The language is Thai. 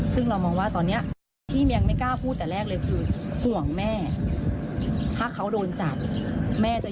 มูลนิธีพี่จะเข้าไปดูแลให้ในส่วนของการทำกายภาพบำบัด